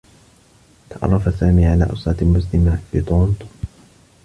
تعرّف سامي على أسرة مسلمة في تورونتو.